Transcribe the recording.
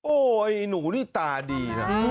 โอ๊ยหนูนี่ตาดีนะ